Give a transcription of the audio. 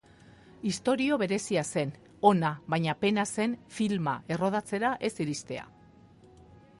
Istorio berezia zen, ona, baina pena zen filma errodatzera ez iristea.